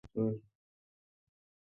আরে, আমাকে বলবে কেন?